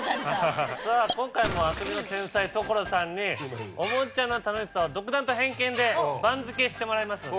さぁ今回も遊びの天才所さんにおもちゃの楽しさを独断と偏見で番付してもらいますので。